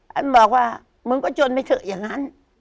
ฉันบอกว่ามึงก็จนไปเถอะอย่างนั้น